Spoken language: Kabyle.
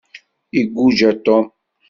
Iguja Tom.